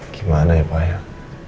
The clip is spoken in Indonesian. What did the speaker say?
gimana ya pak